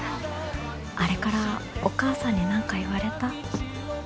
あれからお母さんに何か言われた？